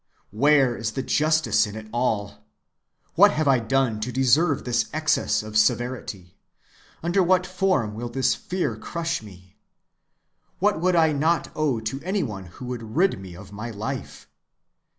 Where is the justice in it all! What have I done to deserve this excess of severity? Under what form will this fear crush me? What would I not owe to any one who would rid me of my life!